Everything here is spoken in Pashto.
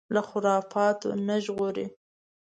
له خرافاتو نه ژغوري